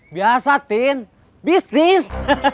biasa tin bisnis